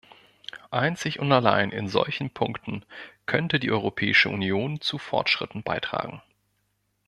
Einzig und allein in solchen Punkten könnte die Europäische Union zu Fortschritten beitragen.